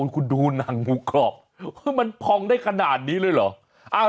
คุณดูหนังหมูกรอบมันพองได้ขนาดนี้เลยเหรอ